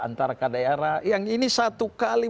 antara kadaerah yang ini satu kali